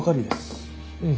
うん。